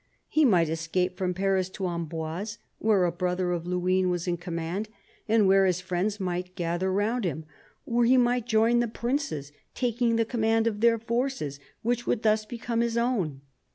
He might escape from Paris to Amboise, where a brother of Luynes was in command and where his friends might gather round him ; or he might join the princes, taking the command of their forces, which would thus become his own.